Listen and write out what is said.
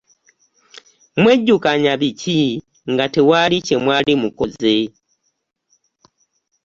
Mwejjukanya biki nga tewali kye mwali mukoze?